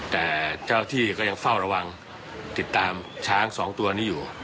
แต่เจ้าที่ก็ยังเฝ้าระวังติดตามช้างสองตัวนี้อยู่